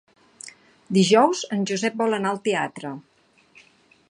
Dijous en Josep vol anar al teatre.